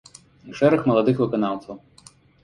І шэраг маладых выканаўцаў.